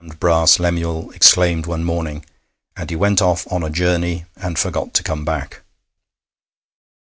'Keep your d d brass!' Lemuel exclaimed one morning, and he went off on a journey and forgot to come back.